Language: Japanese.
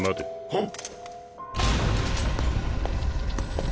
はっ！